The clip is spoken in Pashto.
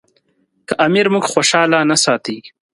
که امیر موږ خوشاله نه ساتي.